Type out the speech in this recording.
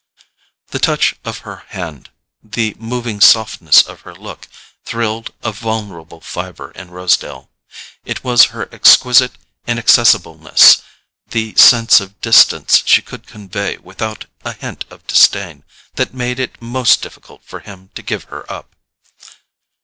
The touch of her hand, the moving softness of her look, thrilled a vulnerable fibre in Rosedale. It was her exquisite inaccessibleness, the sense of distance she could convey without a hint of disdain, that made it most difficult for him to give her up.